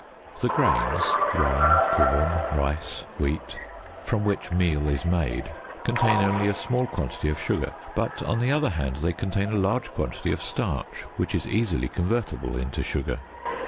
The grains, rye, corn, rice, wheat, from which meal is made, contain only a small quantity of sugar, but, on the other hand, they contain a large quantity of starch which is easily convertible into sugar.